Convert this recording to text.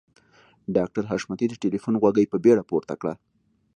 ډاکټر حشمتي د ټليفون غوږۍ په بیړه پورته کړه.